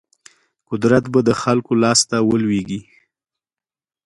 قدرت به د خلکو لاس ته ولویږي.